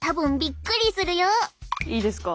いいですか？